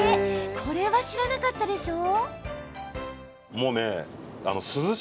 これは知らなかったでしょう？